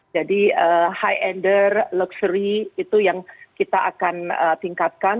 jadi high end luxury itu yang kita akan tingkatkan